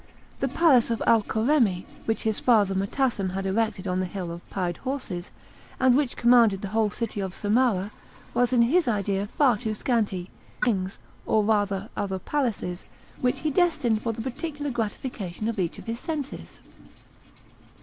The palace of Alkoremmi, which his father Motassem had erected on the hill of Pied Horses, and which commanded the whole city of Samarah, was in his idea far too scanty; he added therefore five wings, or rather other palaces, which he destined for the particular gratification of each of his senses.